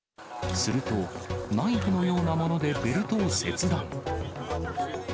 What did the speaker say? すると、ナイフのようなものでベルトを切断。